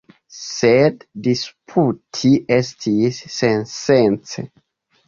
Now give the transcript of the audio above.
Sed disputi estis sensence.